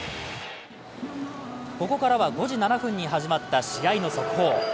ここからは５時７分に始まった試合の速報。